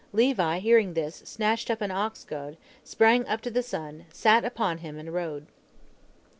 Levi, hearing this, snatched up an ox goad, sprang up to the sun, sat upon him, and rode.